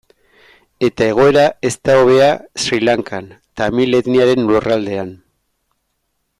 Eta egoera ez da hobea Sri Lankan, tamil etniaren lurraldean.